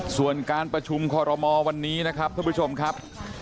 ส่วนการประชุมคอรมอลวันนี้นะครับท่านผู้ชมครับ